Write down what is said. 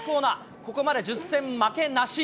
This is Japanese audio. ここまで１０戦負けなし。